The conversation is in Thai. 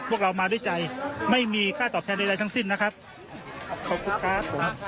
พวกเรามาด้วยใจไม่มีค่าตอบแทนใดทั้งสิ้นนะครับขอบคุณครับผม